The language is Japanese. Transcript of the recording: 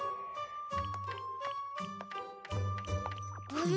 あれ？